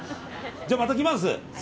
じゃあ、また来ます！